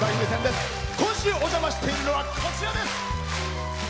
今週お邪魔しているのはこちらです！